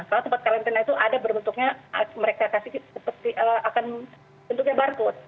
kalau tempat karantina itu ada berbentuknya mereka kasih seperti akan bentuknya barcode